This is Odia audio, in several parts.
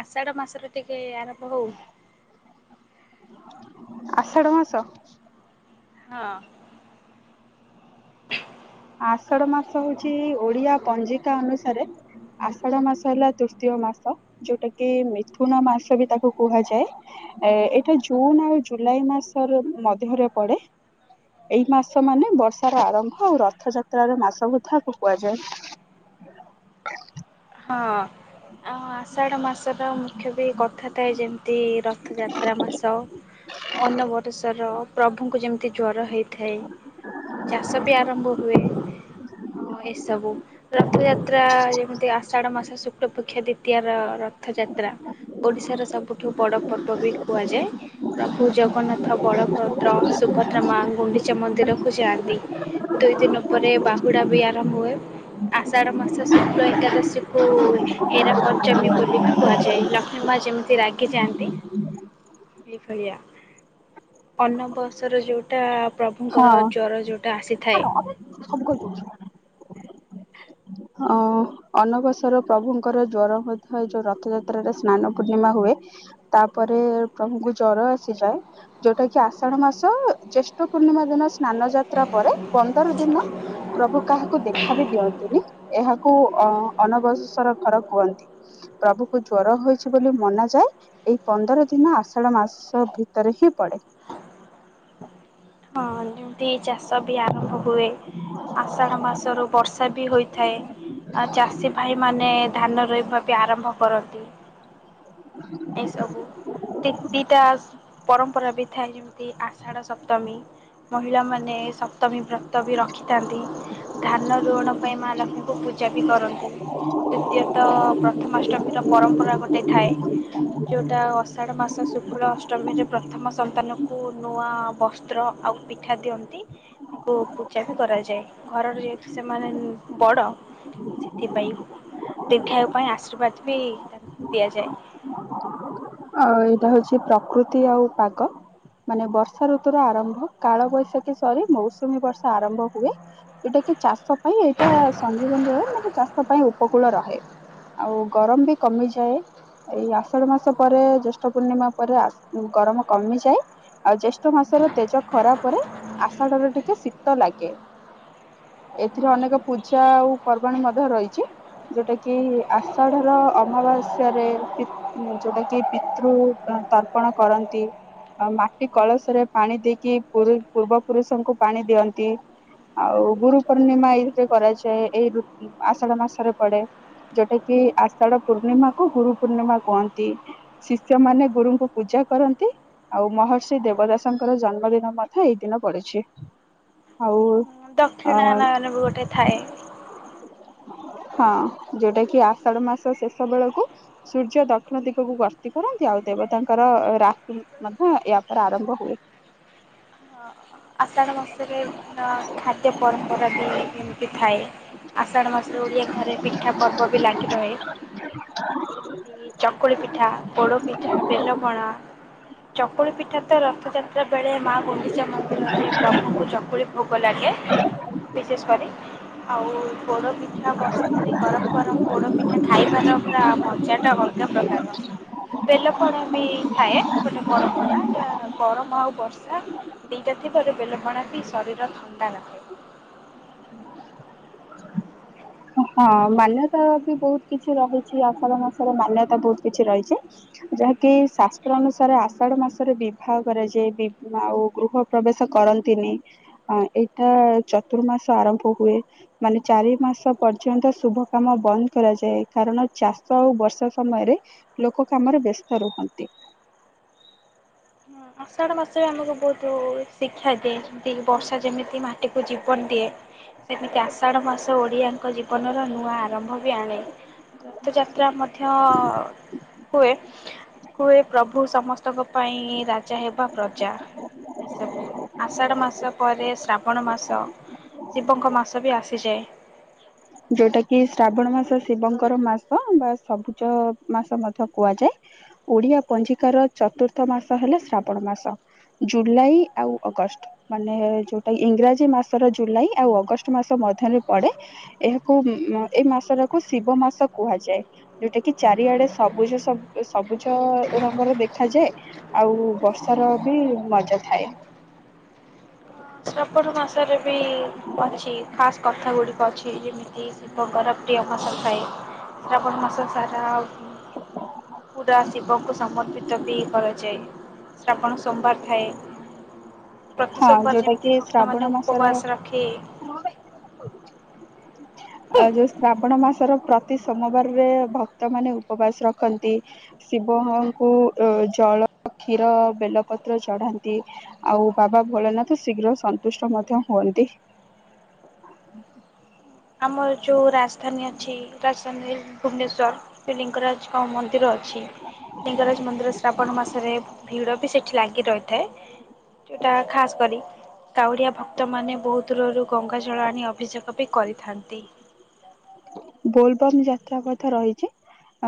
ଆଷାଢ଼ ମାସର ଟିକେ ଆରମ୍ଭ ହଉ। ଆଷାଢ ମାସ। ହଁ। ଆଷାଢ ମାସ ହଉଛି ଓଡିଆ ପଞ୍ଜିକା ଅନୁସାରେ ଆଷାଢ ମାସ ହେଲା ତୃତୀୟ ମାସ। ଯୋଉଟା କି ମିଥୁନ ମାସ ବି ତାକୁ କୁହାଯାଏ। ଏ ଏଇଟା ଜୁନ ଆଉ ଜୁଲାଇ ମାସର ମଧ୍ୟରେ ପଡେ। ଏଇ ମାସ ମାନେ ବର୍ଷାର ଆରମ୍ଭ ଆଉ ରଥଯାତ୍ରାର ମାସ ବୋ ଥାକୁ କୁହାଯାଏ। ହଁ ଆଉ ଆଶା ଷାଢ଼ ମାସର ମୁଖ୍ୟ ବି କଥା ଥାଏ ଯେମିତି ରଥଯାତ୍ରା ମାସ। ଅନବରେଶ୍ୱର। ପ୍ରଭୁଙ୍କୁ ଯେମିତି ଜ୍ୱର ହେଇଥାଏ ଚାଷ ବି ଆରମ୍ଭ ହୁଏ। ଅ ଏସବୁ ରଥଯାତ୍ରା ଯେମିତି ଆ ଷାଢ଼ ମାସ ଶୁକ୍ଳପକ୍ଷ ଦ୍ୱିତୀୟାର ରଥଯାତ୍ ତ୍ରା ଓଡ଼ିଶାର ସବୁଠୁ ବଡ଼ ପର୍ବ ବି କୁହାଯାଏ। ପ୍ରଭୁ ଜଗନ୍ନାଥ ବଳଭଦ୍ର ସୁଭଦ୍ରା ମା ଗୁଣ୍ଡିଚା ମନ୍ଦିରକୁ ଯାଆନ୍ତି। ଦୁଇ ଦିନ ପରେ ବାହୁଡ଼ା ବି ଆରମ୍ଭ ହୁଏ। ଆଷଢ଼ ମାସ ଶୁକ୍ଳ ଏକାଦଶୀ କୁ ହେରା ପଞ୍ଚମୀ ବୋଲି ବି କୁହାଯାଏ ଲକ୍ଷ୍ମୀ ମା ଯେମିତି ରାଗି ଯାଆ ନ୍ତି ଏଇଭଳିଆ ଅନବସର ଯୋଉ ଟା ପ୍ରଭୁଙ୍କର ହଁ ଜ୍ଵର ଯୋଉଁଟା ଆସିଥାଏ। [inaudible] ଅ ଅନବସର ପ୍ରଭୁଙ୍କର ଜ୍ଵର ମଧ୍ୟ ଯୋଉ ରଥଯାତ୍ରାରେ ସ୍ନାନ ପୂର୍ଣ୍ଣିମା ହୁଏ। ତାପରେ ପ୍ରଭୁଙ୍କୁ ଜର ଆସିଯାଏ। ଯୋଉଟା କି ଆଷାଢ ମାସ ଜେଷ୍ଠ ପୂର୍ଣ୍ଣିମା ଦିନ ସେ ସ୍ନାନ ଯାତ୍ରା ପରେ ପନ୍ଦର ଦିନ ପ୍ରଭୁ କାହାକୁ ଦେଖା ବିି ଦିଅନ୍ତିନି ଏହାକୁ ଅ ଅନବଶର ଘର କୁହନ୍ତି ପ୍ରଭୁଙ୍କୁ ଜ୍ଵର ହୋଇଛି ବୋଲି ମନାଯାଏ। ଏଇ ପନ୍ଦର ଦିନ ଆଷାଢ ମାସ ଭିତରେ ହିଁ ପଡେ। ହଁ ଯେମତି ଚାଷ ବି ଆରମ୍ଭ ହୁଏ। ଆଷାଢ଼ ମାସରୁ ବର୍ଷା ବି ହୋଇଥାଏ। ଆ, ଚାଷୀ ଭାଇମାନେ ଧାନ ରୋଇବା ବି ଆରମ୍ଭ କରନ୍ତି। ଏଇ ସବୁ, ତିକ୍ ଦିଟା ପରମ୍ପରା ବି ଥାଏ ଯେମିତି ଆଷାଢ ସପ ତମୀ, ମହିଳାମାନେ ଏ ସପ୍ତମୀ ବ୍ର ତ ବି ରଖିଥାନ୍ତି। ଧାନ ରୁଅଣ ପାଇଁ ମା ଲକ୍ଷ୍ମୀଙ୍କୁ ପୂଜା ବି କରନ୍ତି। ଦ୍ଵିତୀୟତ ପ୍ରଥମାଷ୍ଟମୀର ପରମ୍ପରା ଗୋଟେ ଥାଏ। ଯୋଉଟା ଅଷାଢ ମାସ ଶୁକ୍ଳ ଅଷ୍ଟମୀରେ ପ୍ରଥମ ସନ୍ତାନକୁ ନୂଆ ବସ୍ ତ୍ର ଆଉ ପିଠା ଦିଅନ୍ତି, ତାଙ୍କୁ ପୂଜା ବି କରାଯାଏ। ଘରର ଯେ ସେମାନେ ବଡ ଥିପାଇ ଦୀର୍ଘାୟୁ ପାଇଁ ଆଶୀର୍ବାଦ ବି ତାଙ୍କୁ ଦିଆଯାଏ। ଆଉ ଏଇଟା ହଉଛି ପ୍ରକୃତି ଆଉ ପାଗ। ମାନେ ବର୍ଷା ଋତୁୁର ଆରମ୍ଭ କାଳ ବୈଶାଖୀ ସରି ମୌସୁମୀ ବର୍ଷା ଆରମ୍ଭ ହୁଏ। ଏଇଟା କି ଚାଷ ପାଇଁ ଏଇଟା ସଂଯୀବନି ରହେ ମାନେ ଚାଷ ପାଇଁ ଉପକୂଳ ରହେ। ଆଉ ଗରମ ବି କମିଯାଏ, ଏଇ ଆଷାଢ ମାସ ପରେ ଜ୍ୟେଷ୍ଠ ପୂର୍ଣ୍ଣିମା ପରେ ଆଶ ଗରମ କମିଯାଏ। ଆଉ ଜ୍ୟେଷ୍ଠ ମାସରେ ତେଜ ଖରା ପରେ ଆଷାଢ ରେ ଟିକେ ଶୀତ ଲାଗେ। ଏଥିରେ ଅନେକ ପୂଜା ଆଉ ପର୍ବାଣି ମଧ୍ୟ ରହିଛି। ଯୋଉଟା କି ଆଷାଢ ର ଅମାବାସ୍ୟାରେ ପି ଯୋଉଟା କି ପିତୃ ଉଁ, ତର୍ପଣ କରନ୍ତି। ଆଉ ମାଟି କଳସରେ ପାଣି ଦେଇକି ପୁର ପୂର୍ବ ପୁରୁଷଙ୍କୁ ପାଣି ଦିଅନ୍ତି। ଆଉ ଗୁରୁ ପୂର୍ଣ୍ଣିମା ଏଇଥିରେ କରାଯାଏ ଏଇ ଋ ଆଷାଢ ମାସରେ ପଡେ। ଯେଟା କି ଆଷାଢ଼ ପୂର୍ଣ୍ଣିମାକୁୁ ଗୁରୁ ପୂର୍ଣ୍ଣିମା କୁହନ୍ ତି ଶିଷ୍ୟମାନେ ଗୁରୁଙ୍କୁ ପୂଜା କରନ୍ତି। ଆଉ ମହର୍ଷି ଦେବଦାସଙ୍କର ଜନ୍ମଦିନ ମଧ୍ୟ ଏଇ ଦିନ ପଡିଛି। ଆଉ ଅ ଦକ୍ଷିଣା ନୟନ ବି ଗୋଟେ ଥାଏ। ହଁ ଯେ ଟା କି ଆଷାଢ ମାସ ଶେଷ ବେଳକୁ ସୂର୍ଯ୍ୟ ଦ କ୍ଷିଣ ଦିଗକୁ ଗର୍ତ୍ତି କରନ୍ତି, ଆଉ ଦେବତାଙ୍କର ରାକିମ୍ ମଧ୍ୟ ଏହାପରେ ଆରମ୍ଭ ହୁଏ। [inaudible] ଆଷାଢ଼ ମାସରେ ବିଭିନ୍ନ ଖାଦ୍ୟ ପରମ୍ପରା ବି ଏମିତି ଥାଏ। ଆଷାଢ ମାସରେ ଓଡିଆ ଘରେ ପିଠା ପର୍ବ ବି ଲାଗି ରହେ। ଯେମତି ଚକୁ କୁଳି ପିଠା, ପୋଡ଼ ପିଠା, ବେଲପଣା। ଚକୁଳି ପିଠା ତ ରଥଯାତ୍ରା ବେଳେ ମା ଗୁଣ୍ଡିଚା ମନ୍ଦ ମନ୍ଦିରରେ ପ୍ରଭୁଙ୍କୁ ଚକୁଳି ଭୋଗ ଲାଗେ ବିଶେଷ କରି। ଆଉ ପୋଡ଼ପିଠା ଠା ବର୍ଷା ଦିନେ ଗରମ ଗରମ ପୋଡ଼ପିଠା ଖାଇବାର ପୁରା ମଜା ଟା ଅଲଗା ପ୍ରକାରର। ବେଲପଣା ବି ଥାଏ ଗୋଟେ ପରମ୍ପରା ଯା ଗରମ ଆଉ ବର୍ଷା ସେଇଟା ଥିବ ଯେ ବେଲପଣା ବି ଶରୀର ଥଣ୍ଡା ରଖେ। ହଁ, ହଁ ମାନ୍ୟତା ବି ବହୁତ କିଛି ରହିଛି, ଆଷାଢ଼ ମାସରେ ମାନ୍ୟତା ବହୁତ କିଛି ରହିଛି। ଯାହାକି ଶାସ୍ତ୍ର ଅନୁସାରେ ଆଷାଢ ମାସରେ ବିବାହ କରାଯାଏ। ବି- ଆଉ ଗୃହ ପ୍ରବେଶ କରନ୍ତିନି। ହଁ ଏଇଟା ଚତୁର୍ମାସ ଆରମ୍ଭ ହୁଏ। ମାନେ ଚାରି ମାସ ପର୍ଯ୍ୟନ୍ତ ଶୁଭ କାମ ବନ୍ଦ କରାଯାଏ। କାରଣ ଚାଷ ଆଉ ବର୍ଷା ସମୟରେ ଲୋକ କାମରେ ବ୍ୟସ୍ତ ରୁହନ୍ତି। ହଁ ଆଷାଢ ମାସରେ ଆମକୁ ବହୁତୁ ଶିକ୍ଷା ଦିଏ। ଯେମିତି କି ବର୍ଷା ଯେମିତି ମାଟିକୁ ଜୀବନ ଦିଏ। ସେମିତି ଆଷାଢ଼ ମାସ ଓଡ଼ିଆଙ୍କ ଜୀବନର ନୂଆ ଆରମ୍ଭ ବି ଆଣେ। ରଥଯାତ୍ରା ମ ଧ୍ୟ ହୁଏ। କୁ ଏ ପ୍ରଭୁ ସମସ୍ତଙ୍କ ପାଇଁ ରା ଜା ହେବା ପ୍ରଜା ଏସବୁ ଆଷାଢ଼ ମାସ ପରେ ଶ୍ରାବଣ ମାସ ଶିବଙ୍କ ମାସ ବି ଆସିଯାଏ। ଯୋଉଟା କି ଶ୍ରାବଣ ମାସ ଶିବଙ୍କର ମାସ ବା ସବୁଜ ମାସ ମଧ୍ୟ କୁହାଯାଏ। ଓଡିଆ ପଞ୍ଜିକାର ଚତୁର୍ଥ ମାସ ହେଲା ଶ୍ରାବଣ ମାସ। ଜୁଲାଇ ଆଉ ଅଗଷ୍ଟ। ମାନେ ଯୋଉଟା ଇଂରାଜୀ ମାସର ଜୁଲାଇ ଆଉ ଅଗଷ୍ଟ ମାସ ମଧ୍ୟରେ ପଡେ। ଏହାକୁ ଏ ମାସଟାକୁ ଶିବ ମାସ କୁହାଯାଏ। ଯୋଉଟା କି ଚାରିଆଡେ ସବୁଜ ସବୁ ସବୁଜ ରଙ୍ଗର ଦେଖାଯାଏ। ଆଉ ବର୍ଷାର ବି ମଜା ଥାଏ। [unintelligible] ମାସରେ ବି ଅଛି। ଖାସ୍ କଥା ଗୁଡିକ ଅଛି। ଯେମିତି ଶିବଙ୍କର ପ୍ରିୟ ମାସ ଥାଏ। ଶ୍ରାବଣ ମାସ ସାରା ପୁରା ଶିବଙ୍କୁ ସମର୍ପିତ ବି କରାଯାଏ। ଶ୍ରାବଣ ସୋମବାର ଥାଏ। ପ୍ରତି ହଁ ସୋମବାର ଯୋଉଟା ଯେମିତି କି ଭ ଶ୍ରାବଣ ମାସର ଆଉ ଯୋଉ ଶ୍ରାବଣ ମାସର ପ୍ରତି ସୋମବାରରେ ଭକ୍ତ ମାନେ ଉପବାସ ରଖନ୍ତି। ଶିବଙ୍କୁ ଜଳ କ୍ଷୀର ବେଲପତ୍ର ଚଢ଼ାନ୍ତି। ଆଉ ବାବା ଭୋଳନାଥ ଶୀଘ୍ର ସନ୍ତୁଷ୍ଟ ମଧ୍ୟ ହୁଅନ୍ତି। ଆମର ଯୋଉ ରାଜଧାନୀ ଅଛି ରାଜଧାନୀ ଭୁବନେଶ୍ୱର ଲିଙ୍ଗରାଜଙ୍କ ମ ମନ୍ଦିର ଅଛି। ଲିଙ୍ଗରାଜ ମନ୍ଦିର ଶ୍ରାବଣ ମାସରେ ଭିଡ଼ ବି ସେଠି ଲାଗି ରହିଥାଏ। ଯୋଉଟା ଖାସ କରି କାଉଡ଼ିଆ ଭକ୍ତମାନେ ବହୁତ ଦୂରରୁ ଗଙ୍ଗାଜଳ ଆଣି ଅଭିଶେକ ବି କରିଥାନ୍ତି। ବୋଲବମ୍ ଯାତ୍ରା କଥା ରହିଚି।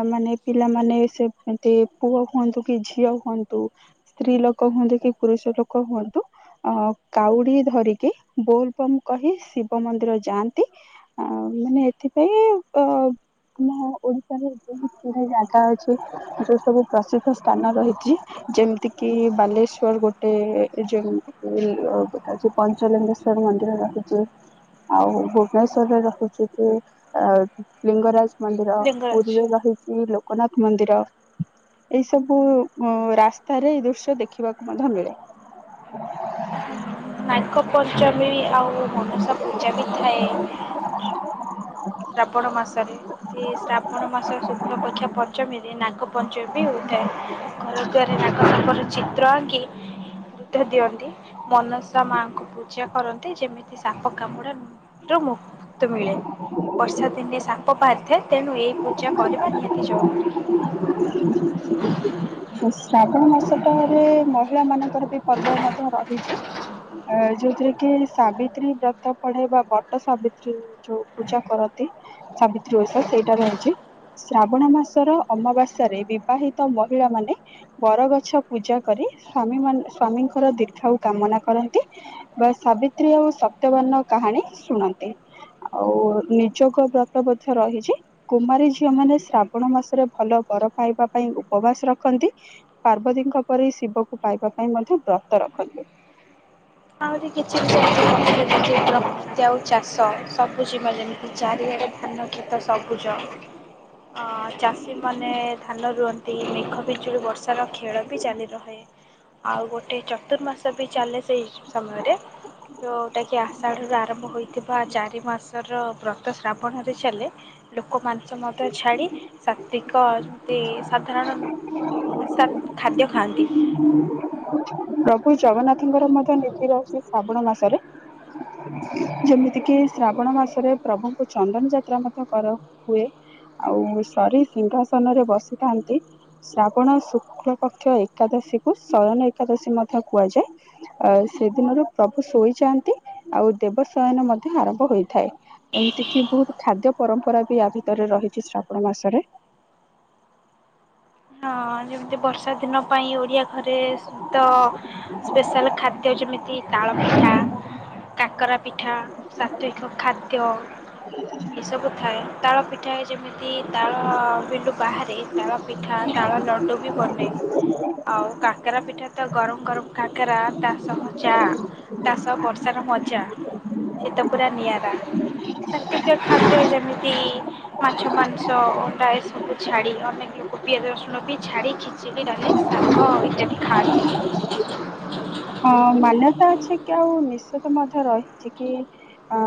ଆଉ ମାନେ ପିଲାମାନେ ସେ ହୁଅନ୍ତି ପୁଅ ହୁଅନ୍ତୁ କି ଝିଅ ହୁଅନ୍ତୁ ସ୍ତ୍ରୀ ଲୋକ ହୁଅନ୍ତୁ କି ପୁରୁଷ ଲୋକ ହୁଅନ୍ତୁ ଅ କାଉଡି ଧରିକି ବୋଲବମ୍ କହି ଶିବ ମନ୍ଦିର ଯାଆନ୍ତି। ଆଉ ମାନେ ଏଥିପାଇଁ ଅ ଆମ ଓଡ଼ିଶାରେ ବହୁତ ଗୁଡ଼ାଏ ଜାଗା ଅଛି ଯଉ ସବୁ ପ୍ରସିଦ୍ଧ ସ୍ଥାନ ରହିଚି ଯେମିତି କିି ବାଲେଶ୍ଵର ଗୋଟେ। [unintelligible] ପଞ୍ଚଲିଙ୍ଗେଶ୍ଵର ମନ୍ଦିର ରହିଚି। ଆଉ ଭୁବନେଶ୍ଵରରେ ରହୁଚି କି ଆ ଲିଙ୍ଗରାଜ ମନ୍ଦିର, ଲିଙ୍ଗରାଜ ପୁରୀରେ ରହିଚି ଲୋକନାଥ ମନ୍ଦିର। ଏଇ ସବୁ ରାସ୍ତାରେ ଏଇ ଦୃଶ୍ୟ ଦେଖିବାକୁ ମଧ୍ୟ ମିଳେ। ନାଗପଞ୍ଚମୀ ଆଉ ମନସା ପୂଜା ବି ଥାଏ। ହୁ ଶ୍ରାବଣ ମାସରେ। କି ଶ୍ରାବଣ ମାସ ଶୁକ୍ଳପକ୍ଷ ପଞ୍ଚମୀରେ ନାଗପଞ୍ଚମୀ ହୋଇଥାଏ। ଘର ଦ୍ୱାରେ ନାଗ ନାଗୁଣୀ ଚିତ୍ର ଆଙ୍କି ଦୁଧ ଦିଅନ୍ତି। ମନସା ମାଙ୍କୁ ପୂଜା କରନ୍ତି ଯେମିତି ସାପ କାମୁଡା ରୁ ମୁ କ୍ତି ମିଳେ। ବର୍ଷା ଦିନେ ସାପ ବାହାରିଥାଏ ତେଣୁ ଏଇ ପୂଜା କରିବା ନିହାତି ଜରୁରୀ। ଶ୍ରାବଣ ମାସ ଟାରେ ମହିଳା ମାନଙ୍କର ବି ପର୍ବ ମଧ୍ୟ ରହିଚି। ଅ ଯୋଉଥିରେ କି ସାବିତ୍ରୀ ବ୍ରତ ପଡେ ବା ବଟ ସାବିତ୍ରୀ। ଯୋଉ ପୂଜା କରନ୍ତି ସାବିତ୍ରୀ ଓଷା ସେଇଟା ର ଚି, ଶ୍ରାବଣ ମାସର ଅମାବାସ୍ୟାରେ ବିବାହିତ ମହିଳା ମାନେ ବରଗଛ ପୂଜା କରି ସ୍ଵାମୀ ମାନ ସ୍ଵାମୀଙ୍କର ଦୀର୍ଘାୟୁ କାମନା କରନ୍ତି। ବା ସାବିତ୍ରୀ ଆଉ ସତ୍ୟବାନ କାହାଣୀ ଶୁଣନ୍ତି। ଆଉ ନିଯୋଗ ବ୍ରତ ମଧ୍ୟ ରହିଚି। କୁମାରୀ ଝିଅ ମାନେ ଶ୍ରାବଣ ମାସରେ ଭଲ ବର ପାଇବା ପାଇଁ ଉପବାସ ରଖନ୍ତି। ପାର୍ବତୀଙ୍କ ପରି ଶିବକୁ ପାଇବା ପାଇଁ ମଧ୍ୟ ବ୍ରତ ରଖନ୍ତି। ଆହୁରି କିଛି ବି। [unintelligible] ଚାଷ ସବୁଜିମା ଯେମିତି ଚାରିଆଡେ ଧାନ କ୍ଷେତ ସବୁଜ। ଅ ଚାଷୀ ମାନେ ଧାନ ରୁଅନ୍ତି। ମେଘ ବିିଜୁଳି ବର୍ଷାର ଖେଳ ବି ଚାଲି ରହେ। ଆଉ ଗୋଟେ ଚତୁର୍ମାସ ବି ଚାଲେ ସେଇ ସମୟରେ। ଯେଉଁଟାକି ଆଷାଢ଼ରୁ ଆରମ୍ଭ ହୋଇଥିବା ଚାରି ମାସର ବ୍ରତ ଶ୍ରାବଣରେ ଚାଲେ। ଲୋକମାନଙ୍କ ମଧ୍ୟ ଛାଡ଼ି ଶତ୍ଵିକ ସେ ସାଧାରଣ ସା ଖାଦ୍ୟ ଖାଆନ୍ତି। ପ୍ରଭୁ ଜଗନ୍ନାଥଙ୍କର ମଧ୍ୟ ନୀତି ରହୁଚି ଶ୍ରାବଣ ମାସରେ। ଯେମିତି କିି ଶ୍ରାବଣ ମାସରେ ପ୍ରଭୁଙ୍କୁ ଚନ୍ଦନ ଯାତ୍ରା ମଧ୍ୟ କର ହୁଏ। ଆଉ ସରି ସିଂହାସନ ରେ ବସିଥାନ୍ତି। ଶ୍ରାବଣ ଶୁକ୍ଳ ପକ୍ଷ ଏକାଦଶୀକୁୁ ଶୟନ ଏକାଦଶୀ ମଧ୍ୟ କୁହାଯାଏ। ଅ ସେଦିନରୁ ପ୍ରଭୁ ଶୋଇଯାଆନ୍ତି ଆଉ ଦେବ ଶୟନ ମଧ୍ୟ ଆରମ୍ଭ ହୋଇଥାଏ। ଏମିତି କି ବହୁତ ଖାଦ୍ୟ ପରମ୍ପରା ବି ୟା ଭିତରେ ରହିଛି ଶ୍ରାବଣ ମାସରେ। ହଁ ଯେମିତି ବର୍ଷା ଦିନ ପାଇଁ ଓଡିଆ ଘରେ ବି ତ ସ୍ପେଶାଲ ଖାଦ୍ୟ ଦ୍ୟ ଯେମିତି ତାଳ ପିଠା। କାକରା ପିଠା ସତ୍ଵିକ ଖାଦ୍ୟ ଏସବୁ ଥାଏ ତାଳ ପି ପିଠା ଯେମିତି ତାଳ ବିଲୁ ବାହାରେ ତାଳ ପିଠା ତାଳ ଲଡ଼ୁ ବି ବନେଇ ହୁଏ। ଆଉ କାଙ୍କରା ପିଠା ତ ଗରମ ଗରମ କାକରା ତା ସହ ଚା ତା ସ ବର୍ଷାର ମଜା। ସେ ତ ପୁରା ନିଆରା ସତ୍ୟତ ଖାଦ୍ୟ ଯେମିତି ମାଛ ମାଂସ ଅଣ୍ଡା ଏସବୁ ଛାଡ଼ି ଅନେକ ଲୋ କ ପିଆଜ ରସୁଣ ବି ଛାଡ଼ି ଖିଚିଡି ଡାଲି ଶାଗ ଆଉ ଇତ୍ୟାଦି ଖାଆନ୍ତି। ହଁ ମାନ୍ୟତା ଅଛି କି ଆଉ ନିଶ୍ଚିତ ମଧ୍ୟ ରହିଛି କି ଅ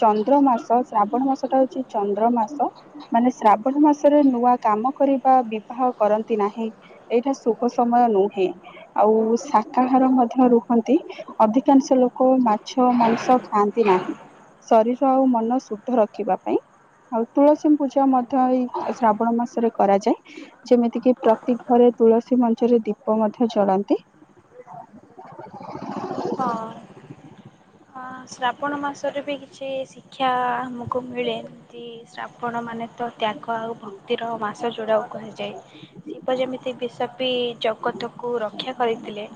ଚନ୍ଦ୍ର ମାସ ଶ୍ରାବଣ ମାସ ଟା ହଉଚି ଚନ୍ଦ୍ର ମାସ ମାନେ ଶ୍ରାବଣ ମାସରେ ନୂଆ କାମ କରିବା ବିବାହ କରନ୍ତି ନାହିଁ। ଏଇଟା ଶୁଭ ସମୟ ନୁହେଁ ଆଉ ଶାକାହାର ମଧ୍ୟ ରୁହନ୍ତି। ଅଧିକାଂଶ ଲୋକ ମାଛ ମାଂସ ଖାଆନ୍ତି ନାହିଁ। ଶରୀର ଆଉ ମନ ଶୁଦ୍ଧ ରଖିବା ପାଇଁ। ଆଉ ତୁଳସୀ ପୂଜା ମଧ୍ୟ ଏଇ ଶ୍ରାବଣ ମାସରେ କରାଯାଏ। ଯେମିତି କିି ପ୍ରତି ଘରେ ତୁଳସୀ ମଞ୍ଚରେ ଦୀପ ମଧ୍ୟ ଜଳାନ୍ତି। ହଁ। ହଁ ଶ୍ରାବଣ ମାସରେ ବି କିଛି ଶିକ୍ଷା ଆମକୁ ମିଳେ ଏମତି ଶ୍ରାବଣ ମାନେ ତ ତ୍ୟାଗ ଆଉ ଭକ୍ତିର ମାସ ଯୋଡ଼ାକୁ କୁହାଯାଏ। ଶିବ ଯେମିତି ବିଷପି ଜଗତକୁ ରକ୍ଷା କରିଥିଲେ।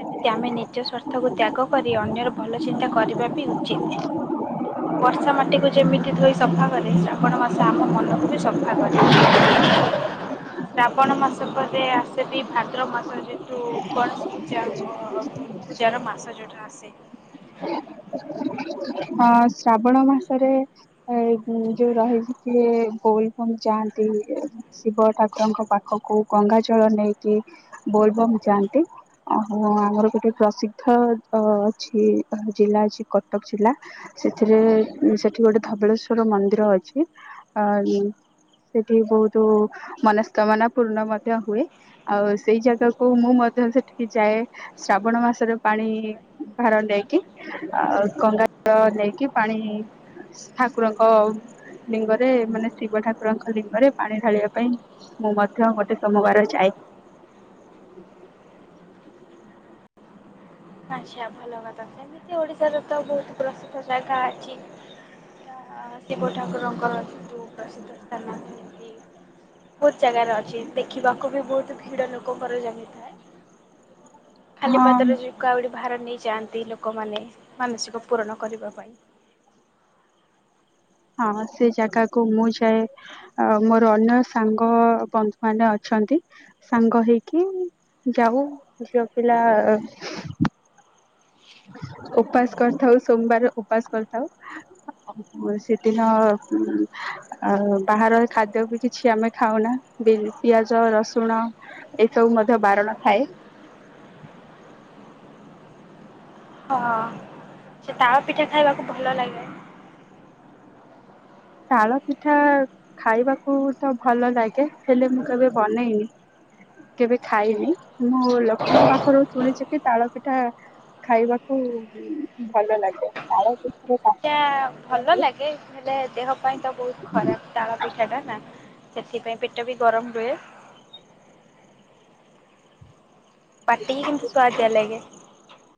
ସେମିତି ଆମେ ନିଜ ସ୍ଵାର୍ଥକୁ ତ୍ୟାଗ କରି ଅନ୍ୟର ଭଲ ଚିନ୍ତା କରିବା ବି ଉଚିତ୍। ହ ବର୍ଷା ମାଟିକୁ ଯେମିତି ଧୋଇ ସଫା କରେ ଶ୍ରାବଣ ମାସ ଆମ ମନକୁ ବି ସଫା କରେ। ହଁ ଶ୍ରାବଣ ମାସ ପରେ ଆସେ ବି ଭାଦ୍ର ମାସ ଯେହତୁ କୌଣସି ପୂଜା ପୂଜାର ମାସ ଯୋଉଟା ଆସେ। ହଁ ଶ୍ରାବଣ ମାସରେ ଏ ଯୋଉ ରହିଚି କିଏ ବୋଲଭମ ଯାଆନ୍ତି। ଶିବ ଠାକୁରଙ୍କ ପାଖକୁ ଗଙ୍ଗା ଜଳ ନେଇକି ବୋଲବମ୍ ଯାଆନ୍ତି। ଓହୋ ଆମର ଗୋଟେ ପ୍ରସିଦ୍ଧ ଅ ଅଛି ଜିଲ୍ଲା ଅଛି କଟକ ଜିଲ୍ଲା। ସେଥିରେ ସେଠି ଗୋଟେ ଧବଳେଶ୍ଵର ମନ୍ଦିର ଅଛି ଅ ସେଠି ବୋହୁତ ମନସ୍କାମନା ପୂର୍ଣ୍ଣ ମଧ୍ୟ ହୁଏ। ଆଉ ସେଇ ଜାଗାକୁ ମୁଁ ମଧ୍ୟ ସେଠିକି ଯାଏ। ଶ୍ରାବଣ ମାସରେ ପାଣି ଭାର ନେଇକି ଆ କଙ୍ଗା ଳ ନେଇକି ପାଣି ଠାକୁରଙ୍କ ଲିଙ୍ଗରେ ମାନେ ଶିବ ଠାକୁରଙ୍କ ଲିଙ୍ଗରେ ପାଣି ଢାଳିବା ପାଇଁ। ମୁଁ ମଧ୍ୟ ଗୋଟେ ସୋମବାର ଯାଇ ଆଚ୍ଛା, ଭଲ କଥା। ସେମିତି ଓଡିଶାର ତ ବହୁତ ପ୍ରସିଦ୍ଧ ଜାଗା ଅଛି। ସେଟା ଶିବ ଠାକୁରଙ୍କର ଅଛି, ବହୁତ ପ୍ରସିଦ୍ଧ ସ୍ଥାନ ଅଛନ୍ତି। ବହୁତ ଜାଗାରେ ଅଛି। ଦେଖିବାକୁ ବି ବହୁତ ଭିଡ଼ ଲୋକଙ୍କର ଜମିଥାଏ। ହଁ ଖାଲିପାଦରେ ଯଉ, କାଉଡି ଭାର ନେଇଯାଆନ୍ତି, ଲୋକମାନେ ମାନସିକ ପୂରଣ କରିବା ପାଇଁ? ହଁ, ସେ ଜାଗାକୁ ମୁଁ ଯାଏ। ଆ, ମୋର ଅନ୍ୟ ସାଙ୍ଗ ବନ୍ଧୁ ମାନେ ଅଛନ୍ତି। ସାଙ୍ଗ ହେଇକି ଯାଉ ଝିଅ ପିଲା-ଆ ଓପାସ୍ କରିଥାଉ। ସୋମବାର ଓପାସ୍ କରିଥାଉ। ସେ ଦିନ ଉଁ ଆଉ ବାହାର ଖାଦ୍ୟ ବି କିଛି ଆମେ ଖାଉନା, ବି ପିଆଜ, ରସୁଣ ଏସବୁ ମଧ୍ୟ ବାରଣ ଥାଏ। ହ। ସେ ତାଳ ପିଠା ଖାଇବାକୁ ଭଲ ଲାଗେ। ତାଳ ପିଠା ଖାଇବାକୁ ତ ଭଲ ଲାଗେ, ହେଲେ ମୁଁ କେବେ ବନେଇନି? କେବେ ଖାଇନି? ମୁଁ ଲୋକଙ୍କ ପାଖରୁ ଶୁଣିଛି କି ତାଳ ପିଠା ଖାଇବାକୁ ଭଲ ଲାଗେ। ତାଳ ପିଠାର ସେଇଟା କାକରା ପି ଭଲ ଲାଗେ ହେଲେ, ଦେହ ପାଇଁ ତ ବହୁତ ଖରାପ ତାଳ ପିଠା ଟା ନା। ସେତ୍ ଥିପାଇଁ ପେଟ ବି ଗରମ ରୁହେ। ପାଟିିକି କିନ୍ତୁ ସୁୁଆଦିଆ ଲାଗେ।